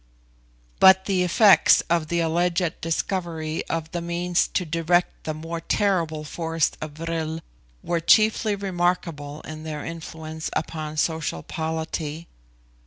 But the effects of the alleged discovery of the means to direct the more terrible force of vril were chiefly remarkable in their influence upon social polity.